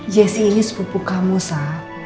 jessi ini sepupu kamu sa